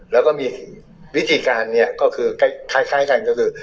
แล้วก็มีวิธีการนี้ก็คือคล้ายกันก็คือ